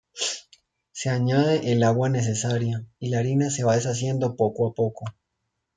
Se añade el agua necesaria, y la harina se va deshaciendo poco a poco.